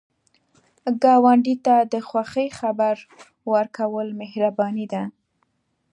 ګاونډي ته د خوښۍ خبر ورکول مهرباني ده